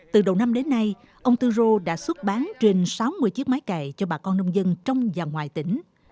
từ đầu năm đến nay ông tư rô đã xuất bán trên sáu mươi chiếc máy cài cho bà con nông dân trong và ngoài tỉnh